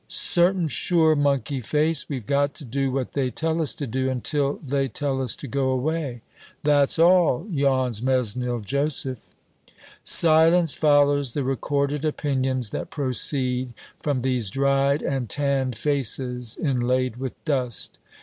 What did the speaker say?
"Certain sure, monkey face. We've got to do what they tell us to do, until they tell us to go away." "That's all," yawns Mesnil Joseph. Silence follows the recorded opinions that proceed from these dried and tanned faces, inlaid with dust.